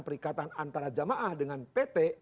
perikatan antara jamaah dengan pt